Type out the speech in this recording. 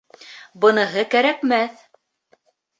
— Быныһы кәрәкмәҫ.